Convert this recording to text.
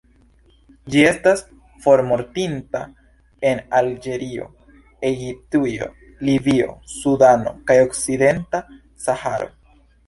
Ĝi estas formortinta en Alĝerio, Egiptujo, Libio, Sudano kaj okcidenta Saharo.